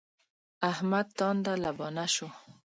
احمد تانده لبانه شو.